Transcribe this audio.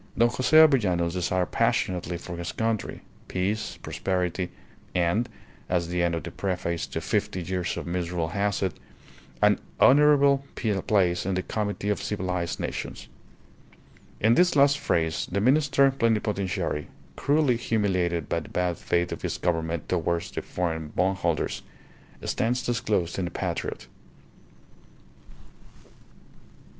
Don Jose Avellanos desired passionately for his country: peace, prosperity, and (as the end of the preface to "Fifty Years of Misrule" has it) "an honourable place in the comity of civilized nations." In this last phrase the Minister Plenipotentiary, cruelly humiliated by the bad faith of his Government towards the foreign bondholders, stands disclosed in the patriot.